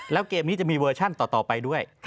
แล้วเกมนี้จะมีเวอร์ชันต่อไปด้วย